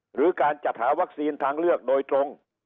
หรือการจัดหาวัคซีนทางเลือกโดยตรง